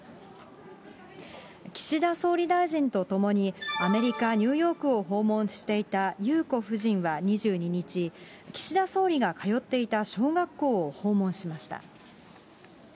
岸田総理大臣と共にアメリカ・ニューヨークを訪問していた裕子夫人は２２日、岸田総理が通っていた小学校を訪問しました。